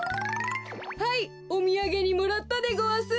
はいおみやげにもらったでごわす。